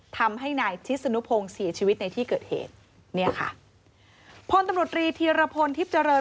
ทำให้นายชิศนุพงศ์เสียชีวิตในที่เกิดเหตุเนี่ยค่ะพลตำรวจรีธีรพลทิพย์เจริญ